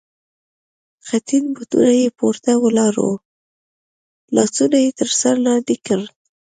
خټین بوټونه یې پورته ولاړ و، لاسونه یې تر سر لاندې کړل.